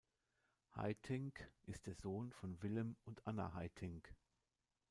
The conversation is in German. Haitink ist der Sohn von Willem und Anna Haitink.